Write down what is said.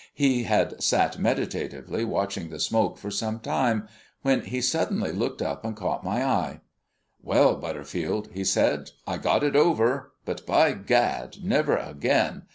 He had sat meditatively watching the smoke for some time, when he suddenly looked up and caught my eye. "Well, Butterfield," he said, "I got it over; but, by Gad, never again!